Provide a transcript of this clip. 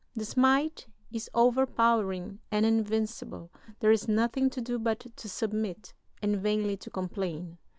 This might is overpowering and invincible. There is nothing to do but to submit and vainly to complain.